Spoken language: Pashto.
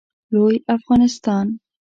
لوی افغانستان